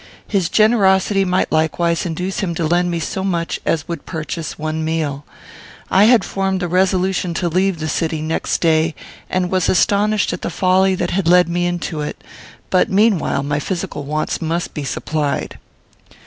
His generosity might likewise induce him to lend me so much as would purchase one meal. I had formed the resolution to leave the city next day, and was astonished at the folly that had led me into it; but, meanwhile, my physical wants must be supplied.